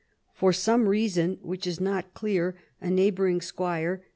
For some reason which is not clear, a neighbouring squire.